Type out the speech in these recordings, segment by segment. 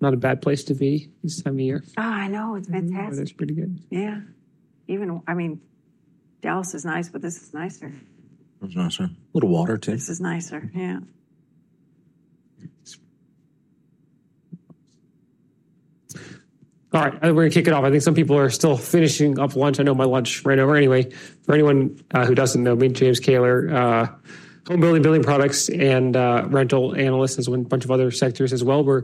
All right. We're going to kick it off. I think some people are still finishing up lunch. I know my lunch ran over. Anyway, for anyone who doesn't know me, James Kayler, home building, building products, and rental analysts, as well as a bunch of other sectors as well. We're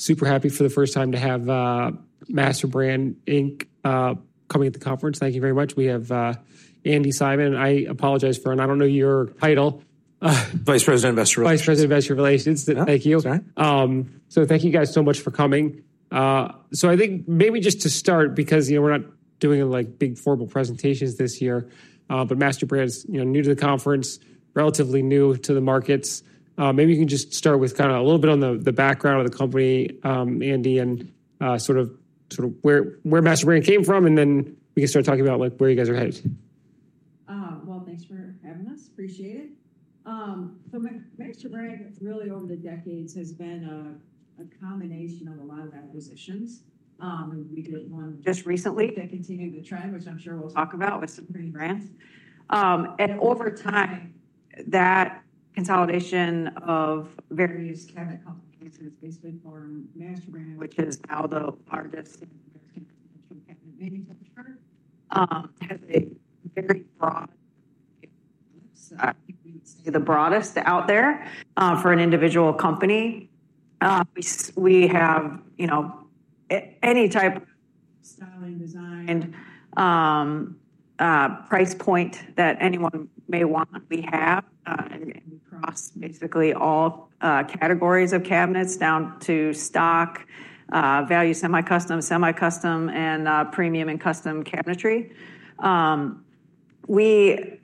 super happy for the first time to have MasterBrand, Inccoming to the conference. Thank you very much. We have Andi Simon. I apologize for, and I don't know your title. Vice President of Investor Relations. Vice President of Investor Relations. Thank you, so thank you guys so much for coming, so I think maybe just to start, because we're not doing big formal presentations this year, but MasterBrand is new to the conference, relatively new to the markets. Maybe you can just start with kind of a little bit on the background of the company, Andi, and sort of where MasterBrand came from, and then we can start talking about where you guys are headed. Thanks for having us. Appreciate it. MasterBrand, really over the decades, has been a combination of a lot of acquisitions. We did one. Just recently. That continued the trend, which I'm sure we'll talk about with some great brands. And over time, that consolidation of various cabinet companies has basically formed MasterBrand, which is now the largest in the American conventional cabinet manufacturer. Has a very broad—I think we would say the broadest out there for an individual company. We have any type of styling, design, price point that anyone may want, we have. And we cross basically all categories of cabinets down to stock, value, semi-custom, semi-custom, and premium and custom cabinetry. We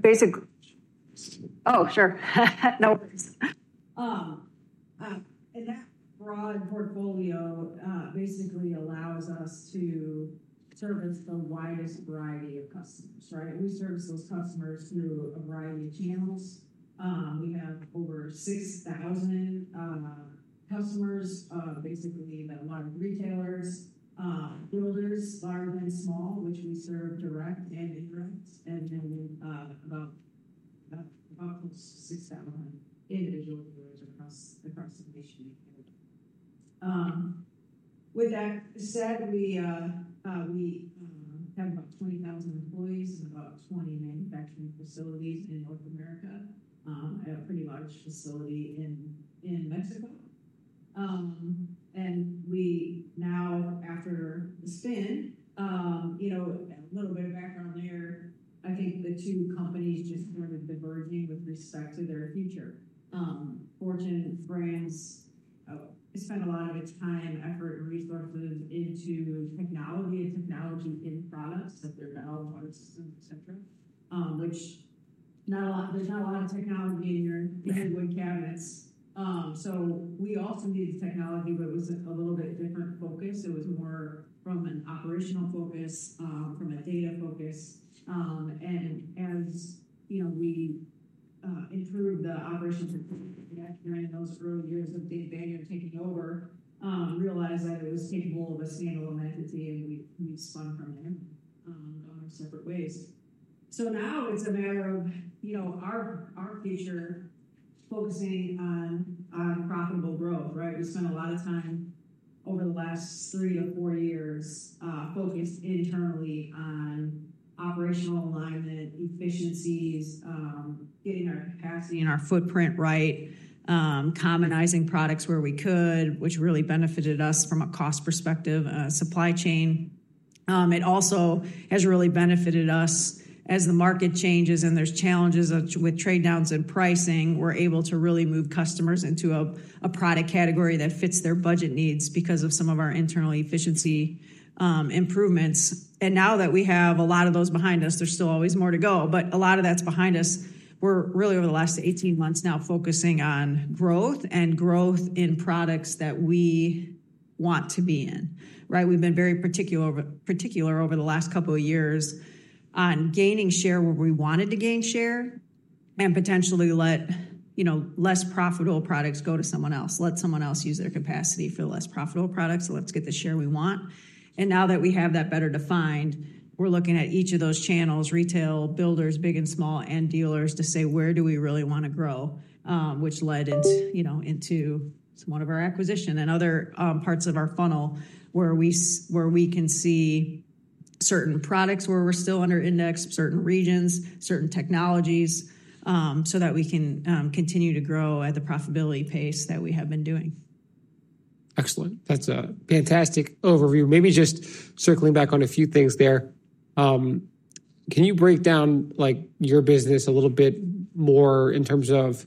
basically—oh, sure. No worries. And that broad portfolio basically allows us to service the widest variety of customers, right? We service those customers through a variety of channels. We have over 6,000 customers, basically a lot of retailers, builders, large and small, which we serve direct and indirect, and then about close to 6,000 individual builders across the nation. With that said, we have about 20,000 employees and about 20 manufacturing facilities in North America, a pretty large facility in Mexico. We now, after the spin, a little bit of background there, I think the two companies just started diverging with respect to their future. Fortune Brands spend a lot of time, effort, and resources into technology and technology in products that they're valued on, et cetera, which there's not a lot of technology in your wood cabinets. So we also needed technology, but it was a little bit different focus. It was more from an operational focus, from a data focus. As we improved the operations during those early years of Dave Banyard taking over, we realized that it was capable of a standalone entity, and we spun from there on our separate ways. So now it's a matter of our future focusing on profitable growth, right? We spent a lot of time over the last three to four years focused internally on operational alignment, efficiencies, getting our capacity and our footprint right, commonizing products where we could, which really benefited us from a cost perspective, supply chain. It also has really benefited us as the market changes and there's challenges with trade downs and pricing. We're able to really move customers into a product category that fits their budget needs because of some of our internal efficiency improvements, and now that we have a lot of those behind us, there's still always more to go, but a lot of that's behind us. We're really, over the last 18 months now, focusing on growth and growth in products that we want to be in, right? We've been very particular over the last couple of years on gaining share where we wanted to gain share and potentially let less profitable products go to someone else, let someone else use their capacity for less profitable products. Let's get the share we want. And now that we have that better defined, we're looking at each of those channels, retail, builders, big and small, and dealers to say, "Where do we really want to grow?" Which led into some of our acquisitions and other parts of our funnel where we can see certain products where we're still under-index, certain regions, certain technologies, so that we can continue to grow at the profitability pace that we have been doing. Excellent. That's a fantastic overview. Maybe just circling back on a few things there. Can you break down your business a little bit more in terms of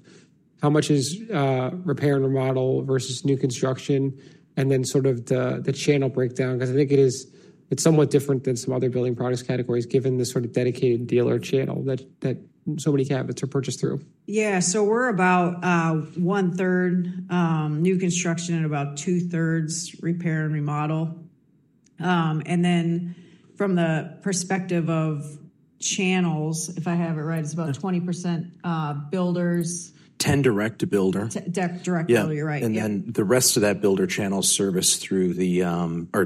how much is repair and remodel versus new construction, and then sort of the channel breakdown? Because I think it's somewhat different than some other building products categories given the sort of dedicated dealer channel that so many cabinets are purchased through. Yeah. So we're about one-third new construction and about two-thirds repair and remodel. And then from the perspective of channels, if I have it right, it's about 20% builders. 10 direct to builder. Direct to builder, you're right. And then the rest of that builder channel service through the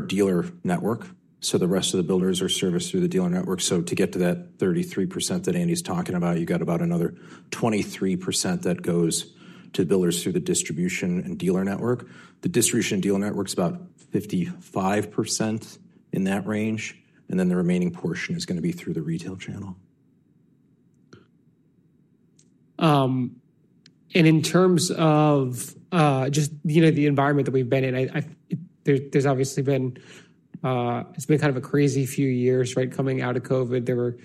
dealer network. So the rest of the builders are serviced through the dealer network. So to get to that 33% that Andi's talking about, you've got about another 23% that goes to builders through the distribution and dealer network. The distribution and dealer network is about 55% in that range. And then the remaining portion is going to be through the retail channel. And in terms of just the environment that we've been in, there's obviously been kind of a crazy few years, right? Coming out of COVID, there were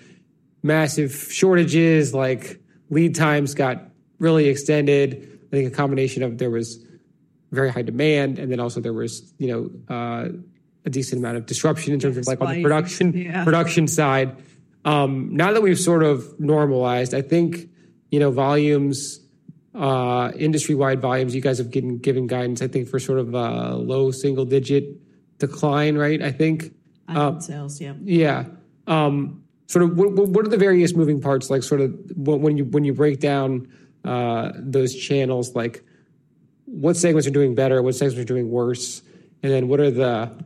massive shortages. Lead times got really extended. I think a combination of there was very high demand, and then also there was a decent amount of disruption in terms of on the production side. Now that we've sort of normalized, I think volumes, industry-wide volumes, you guys have been giving guidance, I think, for sort of a low single-digit decline, right? I think. I think sales, yeah. Yeah. Sort of, what are the various moving parts? Sort of, when you break down those channels, what segments are doing better, what segments are doing worse, and then what are the,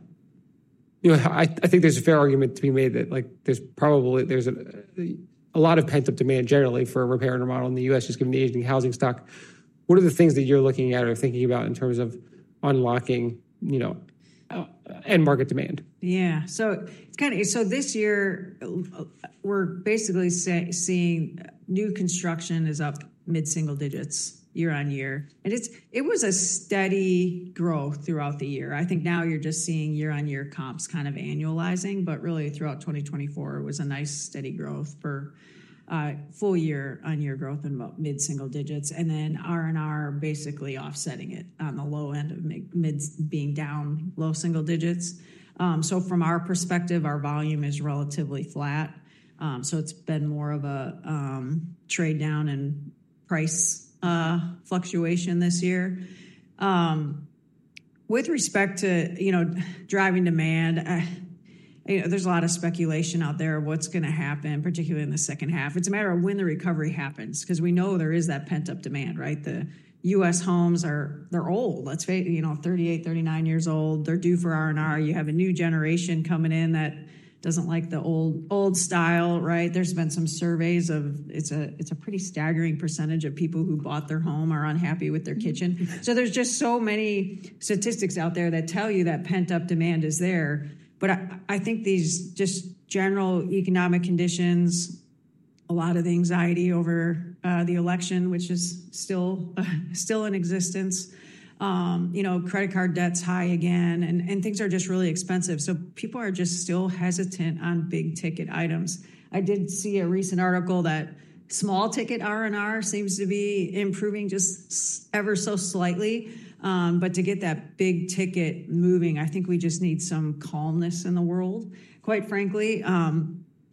I think there's a fair argument to be made that there's probably a lot of pent-up demand generally for repair and remodel in the U.S., just given the aging housing stock. What are the things that you're looking at or thinking about in terms of unlocking end market demand? Yeah. So this year, we're basically seeing new construction is up mid-single digits year-on-year. And it was a steady growth throughout the year. I think now you're just seeing year-on-year comps kind of annualizing, but really throughout 2024, it was a nice steady growth for full year-on-year growth in mid-single digits. And then R&R basically offsetting it on the low end of being down low single digits. So from our perspective, our volume is relatively flat. So it's been more of a trade down and price fluctuation this year. With respect to driving demand, there's a lot of speculation out there of what's going to happen, particularly in the second half. It's a matter of when the recovery happens because we know there is that pent-up demand, right? The U.S. homes, they're old. Let's face it, 38, 39 years old. They're due for R&R. You have a new generation coming in that doesn't like the old style, right? There's been some surveys that it's a pretty staggering percentage of people who bought their home are unhappy with their kitchen. So there's just so many statistics out there that tell you that pent-up demand is there. But I think these, just general economic conditions, a lot of anxiety over the election, which is still in existence. Credit card debt's high again, and things are just really expensive. So people are just still hesitant on big-ticket items. I did see a recent article that small-ticket R&R seems to be improving just ever so slightly. But to get that big-ticket moving, I think we just need some calmness in the world, quite frankly.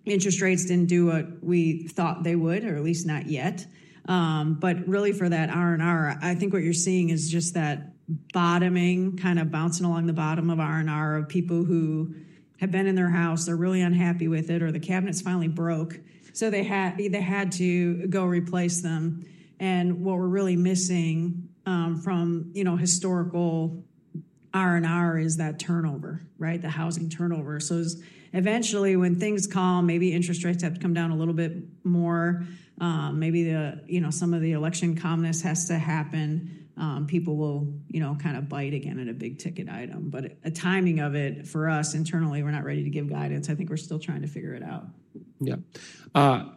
Interest rates didn't do what we thought they would, or at least not yet. But really for that R&R, I think what you're seeing is just that bottoming, kind of bouncing along the bottom of R&R of people who have been in their house, they're really unhappy with it, or the cabinets finally broke. So they had to go replace them. And what we're really missing from historical R&R is that turnover, right? The housing turnover. So eventually, when things calm, maybe interest rates have to come down a little bit more. Maybe some of the election calmness has to happen. People will kind of bite again at a big-ticket item. But the timing of it for us internally, we're not ready to give guidance. I think we're still trying to figure it out. Yeah.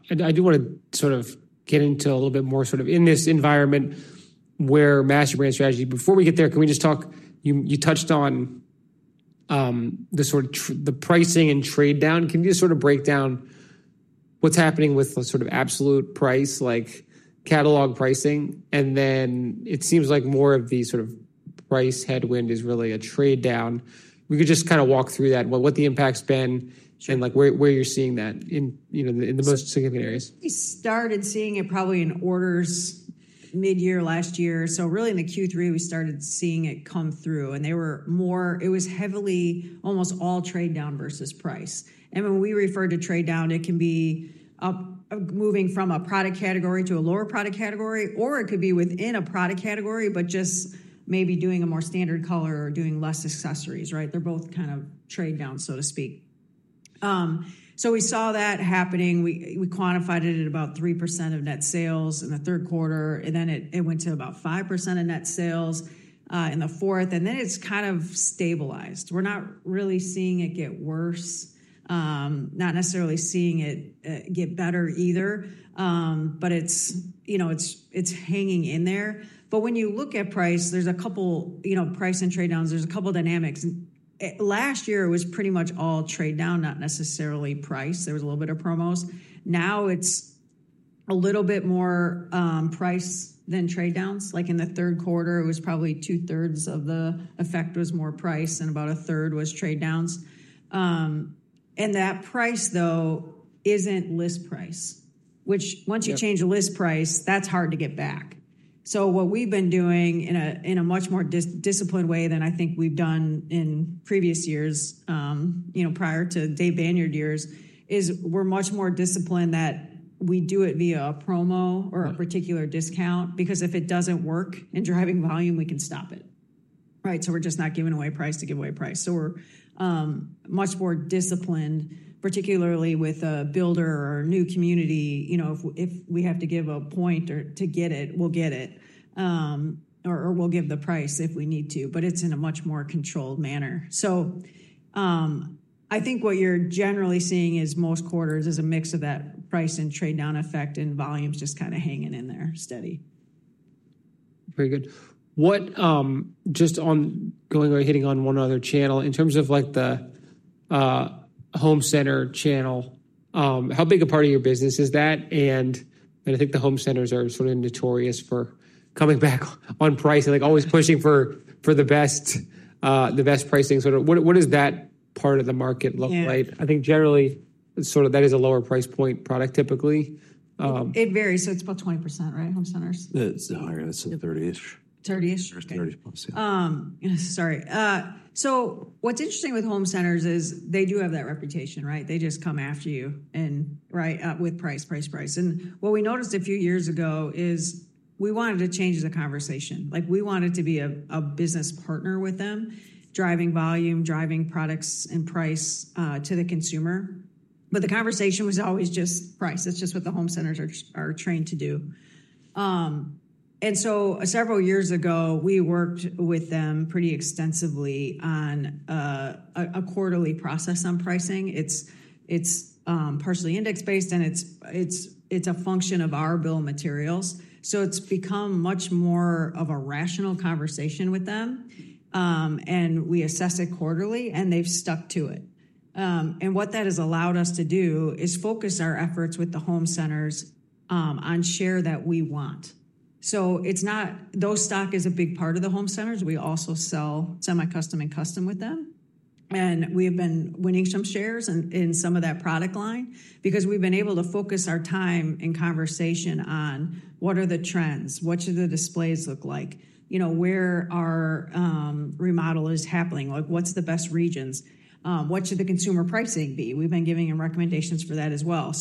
And I do want to sort of get into a little bit more sort of in this environment where MasterBrand strategy, before we get there, can we just talk? You touched on the sort of the pricing and trade down. Can you just sort of break down what's happening with the sort of absolute price, like catalog pricing? And then it seems like more of the sort of price headwind is really a trade down. We could just kind of walk through that. What the impact's been and where you're seeing that in the most significant areas. We started seeing it probably in orders mid-year last year. So really in the Q3, we started seeing it come through. And they were more it was heavily almost all trade down versus price. And when we refer to trade down, it can be moving from a product category to a lower product category, or it could be within a product category, but just maybe doing a more standard color or doing less accessories, right? They're both kind of trade down, so to speak. So we saw that happening. We quantified it at about 3% of net sales in the third quarter. And then it went to about 5% of net sales in the fourth. And then it's kind of stabilized. We're not really seeing it get worse, not necessarily seeing it get better either, but it's hanging in there. But when you look at price, there's a couple price and trade downs. There's a couple dynamics. Last year, it was pretty much all trade down, not necessarily price. There was a little bit of promos. Now it's a little bit more price than trade downs. Like in the third quarter, it was probably two-thirds of the effect was more price and about a third was trade downs. And that price, though, isn't list price, which once you change the list price, that's hard to get back. So what we've been doing in a much more disciplined way than I think we've done in previous years prior to Dave Banyard's years is we're much more disciplined that we do it via a promo or a particular discount because if it doesn't work in driving volume, we can stop it, right? So we're just not giving away price to give away price. So we're much more disciplined, particularly with a builder or new community. If we have to give a point to get it, we'll get it or we'll give the price if we need to, but it's in a much more controlled manner. So I think what you're generally seeing is most quarters is a mix of that price and trade down effect and volumes just kind of hanging in there steady. Very good. Just on going or hitting on one other channel, in terms of the home center channel, how big a part of your business is that? And I think the home centers are sort of notorious for coming back on price, always pushing for the best pricing. What does that part of the market look like? I think generally sort of that is a lower price point product typically. It varies. So it's about 20%, right? Home centers? It's higher. It's a 30-ish. 30-ish? 30-plus, yeah. Sorry. So what's interesting with home centers is they do have that reputation, right? They just come after you with price, price, price. And what we noticed a few years ago is we wanted to change the conversation. We wanted to be a business partner with them, driving volume, driving products and price to the consumer. But the conversation was always just price. That's just what the home centers are trained to do. And so several years ago, we worked with them pretty extensively on a quarterly process on pricing. It's partially index-based, and it's a function of our bill of materials. So it's become much more of a rational conversation with them. And we assess it quarterly, and they've stuck to it. And what that has allowed us to do is focus our efforts with the home centers on share that we want. Those stock is a big part of the home centers. We also sell semi-custom and custom with them. We have been winning some shares in some of that product line because we've been able to focus our time in conversation on what are the trends, what should the displays look like, where our remodel is happening, what's the best regions, what should the consumer pricing be. We've been giving them recommendations for that as well.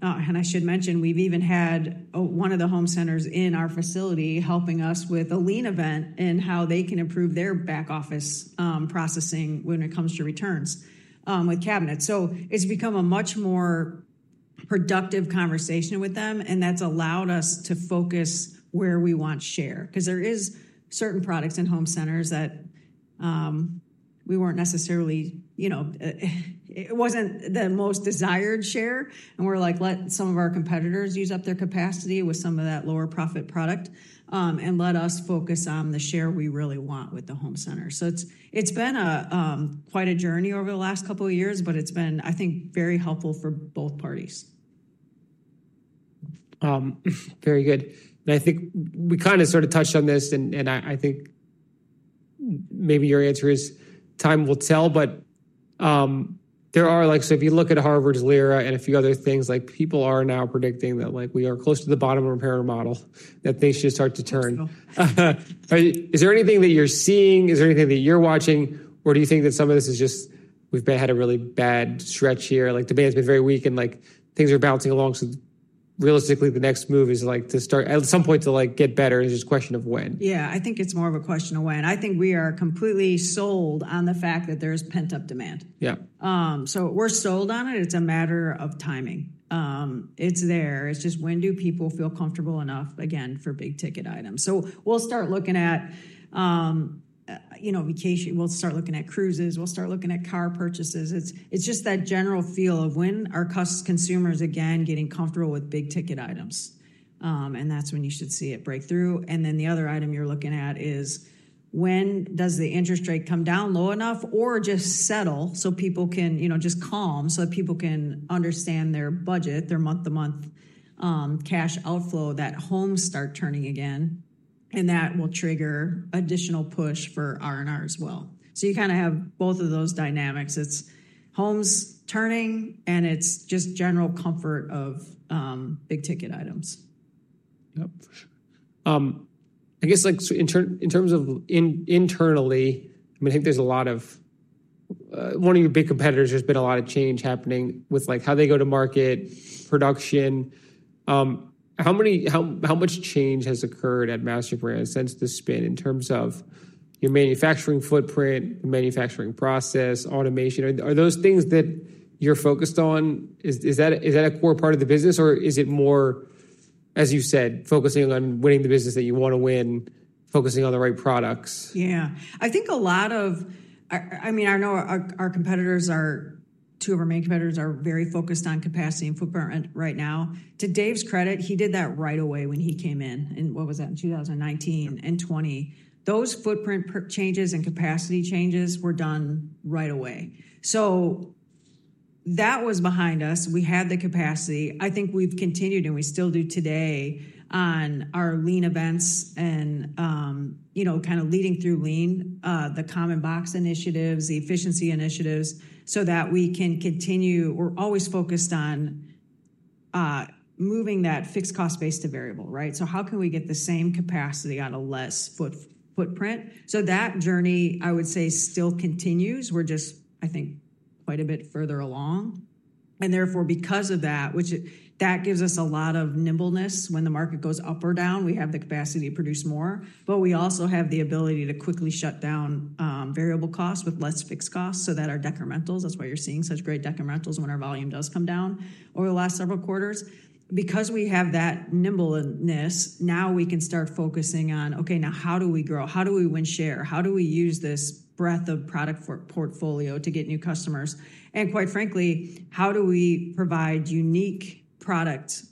I should mention we've even had one of the home centers in our facility helping us with a lean event and how they can improve their back office processing when it comes to returns with cabinets. So it's become a much more productive conversation with them, and that's allowed us to focus where we want share because there are certain products in home centers that we weren't necessarily, it wasn't the most desired share. And we're like, "Let some of our competitors use up their capacity with some of that lower profit product and let us focus on the share we really want with the home centers." So it's been quite a journey over the last couple of years, but it's been, I think, very helpful for both parties. Very good. And I think we kind of sort of touched on this, and I think maybe your answer is time will tell, but there are like so if you look at Harvard's LIRA and a few other things, people are now predicting that we are close to the bottom of repair and remodel, that things should start to turn. Is there anything that you're seeing? Is there anything that you're watching? Or do you think that some of this is just we've had a really bad stretch here? Demand has been very weak, and things are bouncing along. So realistically, the next move is to start at some point to get better. It's just a question of when. Yeah. I think it's more of a question of when. I think we are completely sold on the fact that there is pent-up demand. So we're sold on it. It's a matter of timing. It's there. It's just when do people feel comfortable enough again for big-ticket items? So we'll start looking at vacation. We'll start looking at cruises. We'll start looking at car purchases. It's just that general feel of when are consumers again getting comfortable with big-ticket items. And that's when you should see it break through. And then the other item you're looking at is when does the interest rate come down low enough or just settle so people can just calm so that people can understand their budget, their month-to-month cash outflow, that homes start turning again. And that will trigger additional push for R&R as well. So you kind of have both of those dynamics. It's homes turning, and it's just general comfort of big-ticket items. Yep. I guess in terms of internally, I mean, I think there's a lot of one of your big competitors. There's been a lot of change happening with how they go to market, production. How much change has occurred at MasterBrand since the spin in terms of your manufacturing footprint, the manufacturing process, automation? Are those things that you're focused on? Is that a core part of the business, or is it more, as you said, focusing on winning the business that you want to win, focusing on the right products? Yeah. I think a lot of. I mean, I know our competitors. Two of our main competitors are very focused on capacity and footprint right now. To Dave's credit, he did that right away when he came in, and what was that? In 2019 and 2020. Those footprint changes and capacity changes were done right away, so that was behind us. We had the capacity. I think we've continued, and we still do today on our lean events and kind of leading through lean, the common box initiatives, the efficiency initiatives so that we can continue. We're always focused on moving that fixed cost base to variable, right? So how can we get the same capacity out of less footprint, so that journey, I would say, still continues. We're just, I think, quite a bit further along, and therefore, because of that, that gives us a lot of nimbleness. When the market goes up or down, we have the capacity to produce more. But we also have the ability to quickly shut down variable costs with less fixed costs so that our decrementals, that's why you're seeing such great decrementals when our volume does come down over the last several quarters, because we have that nimbleness. Now we can start focusing on, okay, now how do we grow? How do we win share? How do we use this breadth of product portfolio to get new customers? And quite frankly, how do we provide unique product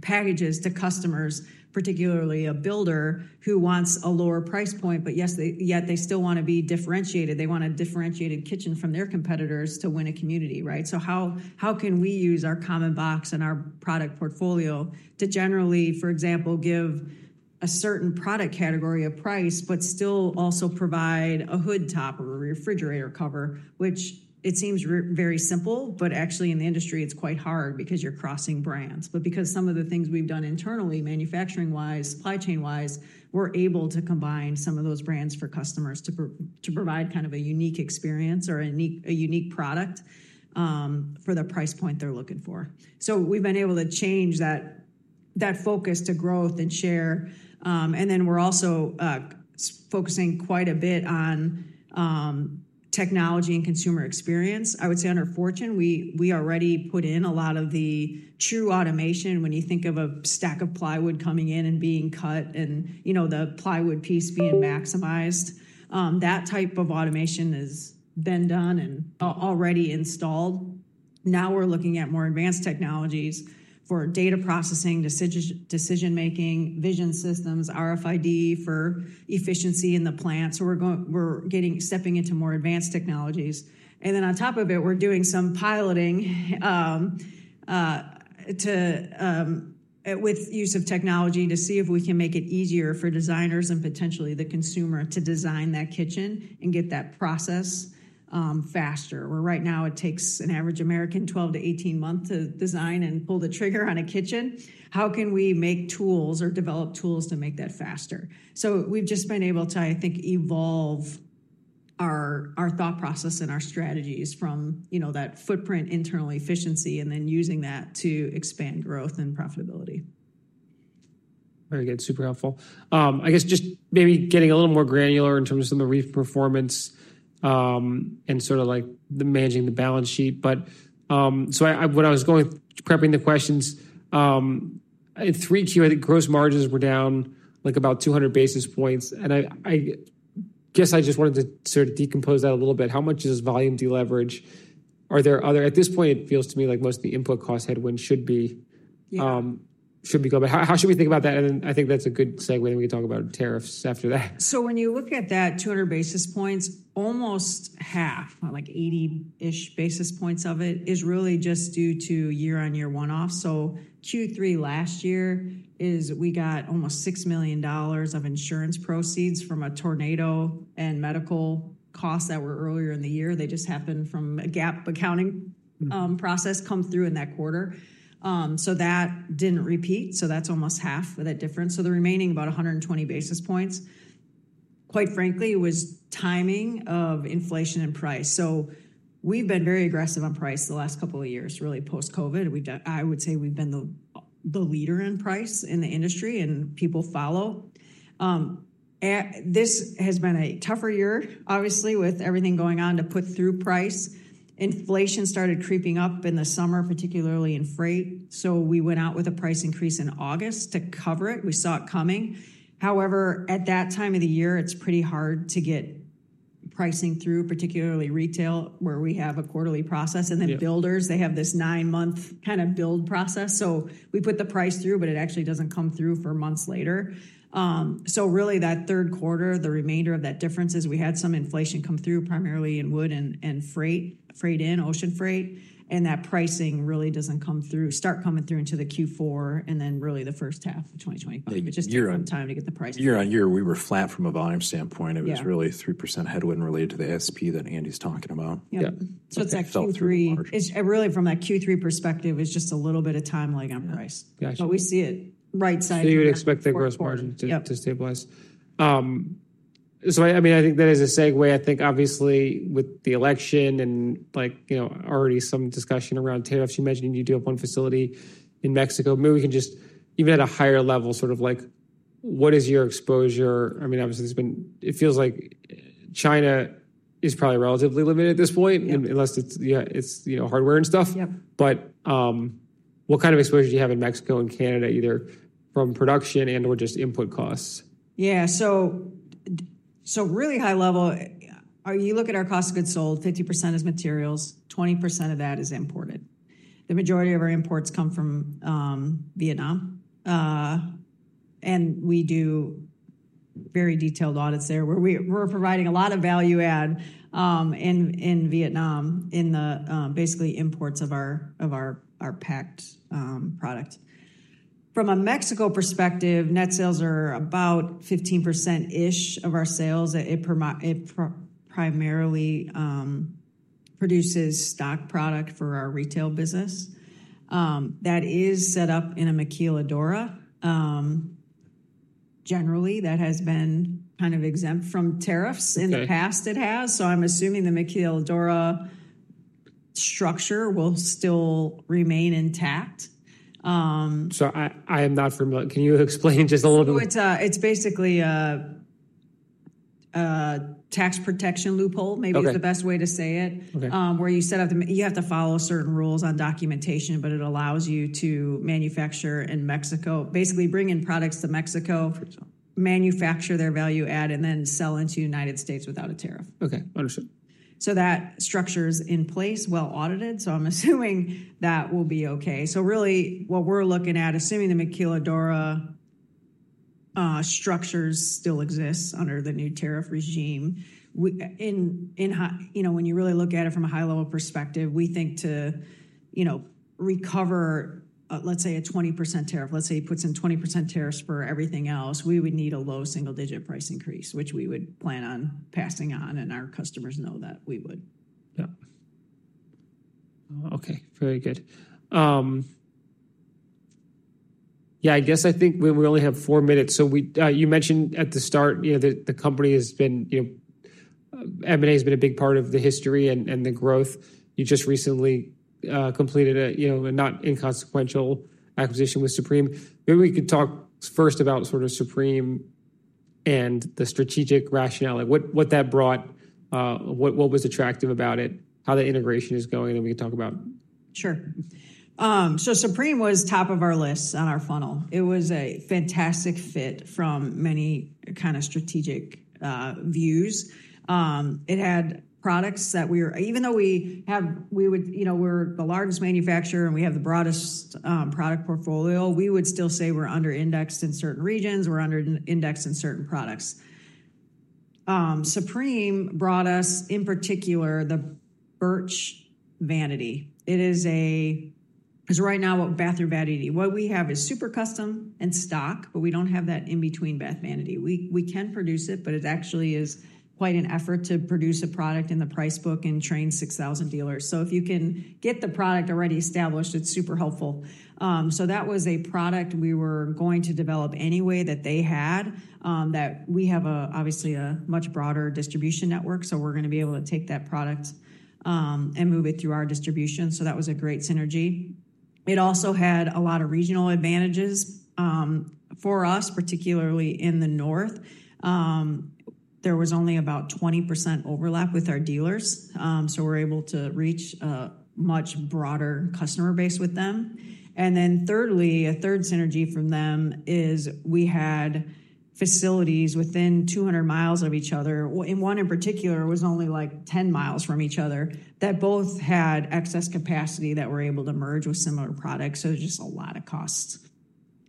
packages to customers, particularly a builder who wants a lower price point, but yet they still want to be differentiated? They want a differentiated kitchen from their competitors to win a community, right? So how can we use our common box and our product portfolio to generally, for example, give a certain product category a price, but still also provide a hood top or a refrigerator cover, which it seems very simple, but actually in the industry, it's quite hard because you're crossing brands, but because some of the things we've done internally, manufacturing-wise, supply chain-wise, we're able to combine some of those brands for customers to provide kind of a unique experience or a unique product for the price point they're looking for, So we've been able to change that focus to growth and share, and then we're also focusing quite a bit on technology and consumer experience. I would say under Fortune, we already put in a lot of the true automation. When you think of a stack of plywood coming in and being cut and the plywood piece being maximized, that type of automation has been done and already installed. Now we're looking at more advanced technologies for data processing, decision-making, vision systems, RFID for efficiency in the plant. So we're stepping into more advanced technologies. And then on top of it, we're doing some piloting with use of technology to see if we can make it easier for designers and potentially the consumer to design that kitchen and get that process faster. Where right now, it takes an average American 12 to 18 months to design and pull the trigger on a kitchen. How can we make tools or develop tools to make that faster? So we've just been able to, I think, evolve our thought process and our strategies from that footprint, internal efficiency, and then using that to expand growth and profitability. Very good. Super helpful. I guess just maybe getting a little more granular in terms of some of the revenue performance and sort of managing the balance sheet. But so when I was prepping the questions, in 3Q, I think gross margins were down about 200 basis points. And I guess I just wanted to sort of decompose that a little bit. How much is volume deleverage? Are there other, at this point, it feels to me like most of the input cost headwinds should be gone. But how should we think about that? And I think that's a good segue and we can talk about tariffs after that. So when you look at that 200 basis points, almost half, like 80-ish basis points of it, is really just due to year-on-year one-off. So Q3 last year, we got almost $6 million of insurance proceeds from a tornado and medical costs that were earlier in the year. They just happened from a gap accounting process come through in that quarter. So that didn't repeat. So that's almost half of that difference. So the remaining about 120 basis points, quite frankly, was timing of inflation and price. So we've been very aggressive on price the last couple of years, really post-COVID. I would say we've been the leader in price in the industry, and people follow. This has been a tougher year, obviously, with everything going on to put through price. Inflation started creeping up in the summer, particularly in freight. So we went out with a price increase in August to cover it. We saw it coming. However, at that time of the year, it's pretty hard to get pricing through, particularly retail, where we have a quarterly process. And then builders, they have this nine-month kind of build process. So we put the price through, but it actually doesn't come through for months later. So really, that third quarter, the remainder of that difference is we had some inflation come through, primarily in wood and freight, freight in, ocean freight. And that pricing really doesn't start coming through into the Q4 and then really the first half of 2025. It just took time to get the price. Year-on-year, we were flat from a volume standpoint. It was really 3% headwind related to the ASP that Andi's talking about. Yeah, so it's actually Q3. Really, from a Q3 perspective, it's just a little bit of time lag on price. But we see it right side. So you would expect the gross margin to stabilize. So I mean, I think that is a segue. I think, obviously, with the election and already some discussion around tariffs, you mentioned you do have one facility in Mexico. Maybe we can just, even at a higher level, sort of what is your exposure? I mean, obviously, it feels like China is probably relatively limited at this point, unless it's hardware and stuff. But what kind of exposure do you have in Mexico and Canada, either from production and/or just input costs? Yeah. So really high level, you look at our cost of goods sold, 50% is materials. 20% of that is imported. The majority of our imports come from Vietnam. And we do very detailed audits there where we're providing a lot of value-add in Vietnam in the basically imports of our packed product. From a Mexico perspective, net sales are about 15%-ish of our sales. It primarily produces stock product for our retail business. That is set up in a Maquiladora. Generally, that has been kind of exempt from tariffs in the past. It has. So I'm assuming the Maquiladora structure will still remain intact. I am not familiar. Can you explain just a little bit? It's basically a tax protection loophole, maybe is the best way to say it, where you set up. You have to follow certain rules on documentation, but it allows you to manufacture in Mexico, basically bring in products to Mexico, manufacture their value-add, and then sell into the United States without a tariff. Okay. Understood. That structure is in place, well audited. I'm assuming that will be okay. Really, what we're looking at, assuming the Maquiladora structures still exist under the new tariff regime, when you really look at it from a high-level perspective, we think to recover, let's say, a 20% tariff, let's say he puts in 20% tariffs for everything else, we would need a low single-digit price increase, which we would plan on passing on. Our customers know that we would. Yeah. Okay. Very good. Yeah. I guess I think we only have four minutes. So you mentioned at the start, the company has been, M&A has been a big part of the history and the growth. You just recently completed a not inconsequential acquisition with Supreme. Maybe we could talk first about sort of Supreme and the strategic rationale, what that brought, what was attractive about it, how the integration is going, and we can talk about. Sure. So Supreme was top of our list on our funnel. It was a fantastic fit from many kind of strategic views. It had products that we were even though we're the largest manufacturer and we have the broadest product portfolio, we would still say we're under-indexed in certain regions. We're under-indexed in certain products. Supreme brought us, in particular, the Bertch Vanity. It is a because right now, what bathroom vanity? What we have is super custom and stock, but we don't have that in-between bath vanity. We can produce it, but it actually is quite an effort to produce a product in the price book and train 6,000 dealers. So if you can get the product already established, it's super helpful. So that was a product we were going to develop anyway that they had, that we have obviously a much broader distribution network. We're going to be able to take that product and move it through our distribution. That was a great synergy. It also had a lot of regional advantages for us, particularly in the north. There was only about 20% overlap with our dealers. We're able to reach a much broader customer base with them. Thirdly, a third synergy from them is we had facilities within 200 miles of each other. One in particular was only like 10 miles from each other that both had excess capacity that were able to merge with similar products. Just a lot of cost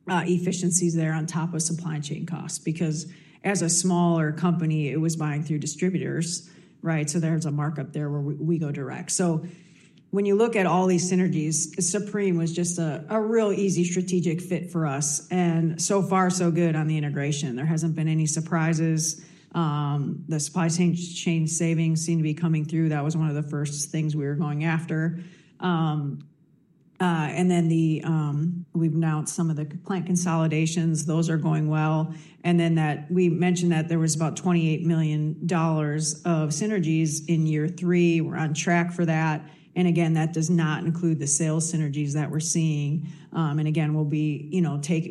efficiencies there on top of supply chain costs because as a smaller company, it was buying through distributors, right? There's a markup there where we go direct. So when you look at all these synergies, Supreme was just a real easy strategic fit for us. And so far, so good on the integration. There hasn't been any surprises. The supply chain savings seem to be coming through. That was one of the first things we were going after. And then we've announced some of the plant consolidations. Those are going well. And then we mentioned that there was about $28 million of synergies in year three. We're on track for that. And again, that does not include the sales synergies that we're seeing. And again, we'll be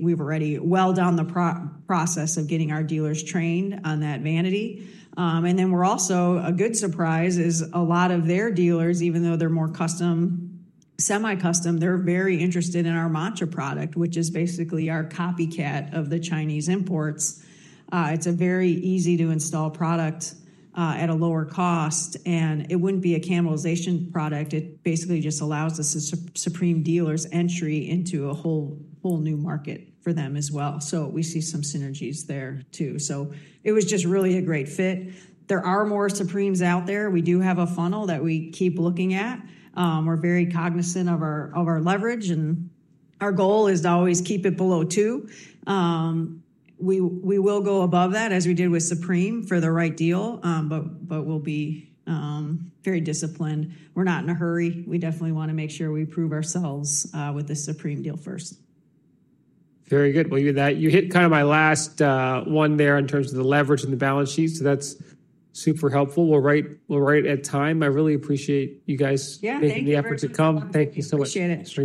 we've already well done the process of getting our dealers trained on that vanity. And then we're also a good surprise is a lot of their dealers, even though they're more custom, semi-custom, they're very interested in our Mantra product, which is basically our copycat of the Chinese imports. It's a very easy-to-install product at a lower cost, and it wouldn't be a cannibalization product. It basically just allows us as Supreme dealers entry into a whole new market for them as well, so we see some synergies there too, so it was just really a great fit. There are more Supremes out there. We do have a funnel that we keep looking at. We're very cognizant of our leverage, and our goal is to always keep it below two. We will go above that as we did with Supreme for the right deal, but we'll be very disciplined. We're not in a hurry. We definitely want to make sure we prove ourselves with the Supreme deal first. Very good. Well, you hit kind of my last one there in terms of the leverage and the balance sheet. So that's super helpful. We're right at time. I really appreciate you guys making the effort to come. Thank you so much. Appreciate it.